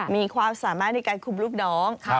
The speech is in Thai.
มีความสามารถในการคุมลูกน้อง